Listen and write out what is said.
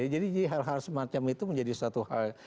jadi hal hal semacam itu menjadi suatu hal